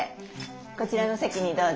こちらの席にどうぞ。